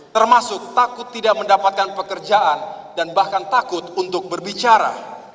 termasuk takut tidak mendapatkan pekerjaan dan bahkan takut untuk berbicara